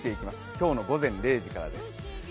今日の午前０時からです。